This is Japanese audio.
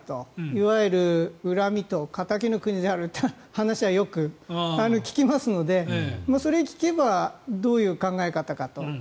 いわゆる恨みと堅気の国であるというのをよく聞きますのでそれを聞けばどういう考え方かと。